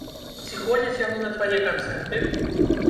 Ці ходзяць яны на твае канцэрты?